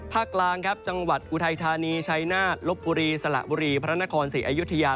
กลางครับจังหวัดอุทัยธานีชัยนาฏลบบุรีสละบุรีพระนครศรีอยุธยา